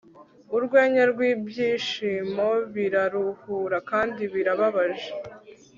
Urwenya rwibyishimo biraruhura kandi birababaje